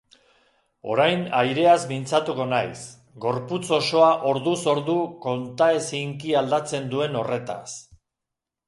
Orain aireaz mintzatuko naiz, gorputz osoa orduz ordu kontaezinki aldatzen duen horretaz.